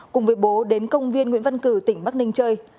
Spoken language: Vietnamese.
cùng với bố đến công viên nguyễn văn cử tỉnh bắc ninh chơi